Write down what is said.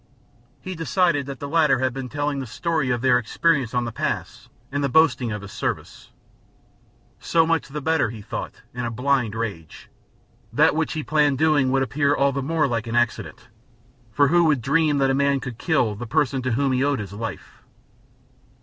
He decided that the latter had been telling the story of their experience on the pass and boasting of his service. So much the better, he thought, in a blind rage; that which he planned doing would appear all the more like an accident, for who would dream that a man could kill the person to whom he owed his life?